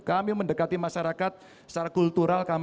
kami mendekati masyarakat secara kultural